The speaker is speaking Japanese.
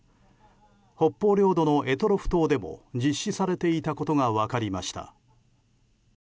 北方領土の択捉島でも実施されていたことが分かりました。